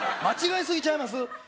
間違え過ぎちゃいます？